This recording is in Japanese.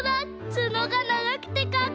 ツノがながくてかっこいい！